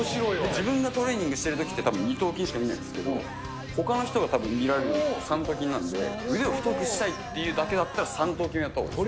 自分がトレーニングしてるときって、たぶん二頭筋しか見ないんですけど、ほかの人がたぶん、見られるのは三頭筋なんで、腕を太くしたいっていうだけだったら三頭筋をやったほうがいい。